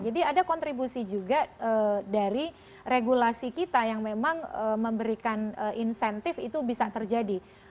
jadi ada kontribusi juga dari regulasi kita yang memang memberikan insentif itu bisa terjadi